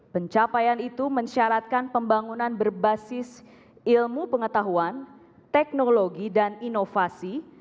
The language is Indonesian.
pencapaian itu mensyaratkan pembangunan berbasis ilmu pengetahuan teknologi dan inovasi